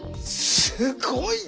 すごいな！